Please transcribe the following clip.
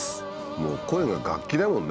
もう声が楽器だもんね。